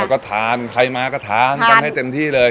ก็ทานใครมาก็ทานกันให้เต็มที่เลย